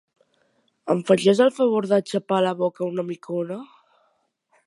Em faries el favor de xapar la boca una micona?